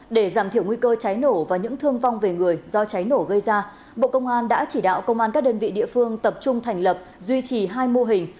để giảm thiểu nguy cơ cháy nổ và những thương vong về người do cháy nổ gây ra bộ công an đã chỉ đạo công an các đơn vị địa phương tập trung thành lập duy trì hai mô hình